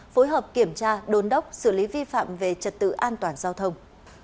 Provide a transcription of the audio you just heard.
phối hợp kiểm tra đôn đốc xử lý vi phạm về trật tự an toàn giao thông